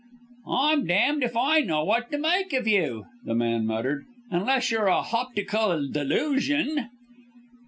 "I'm damned if I know what to make of you," the man muttered, "unless you're a hoptical delusion!"